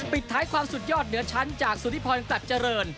ปิดท้ายความสุดยอดเหนือชั้นจากสุธิพรสัตว์เจริญ